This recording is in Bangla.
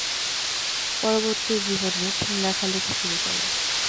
পরবর্তী জীবনে তিনি লেখালেখি শুরু করেন।